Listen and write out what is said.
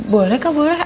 boleh kak boleh